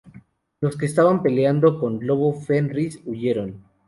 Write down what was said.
Los que estaban peleando con Lobo Fenris, huyeron.